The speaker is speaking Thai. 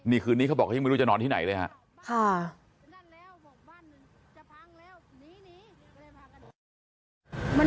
นี่คืนนี้เขาบอกเขายังไม่รู้จะนอนที่ไหนเลยฮะ